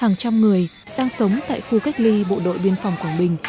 hàng trăm người đang sống tại khu cách ly bộ đội biên phòng quảng bình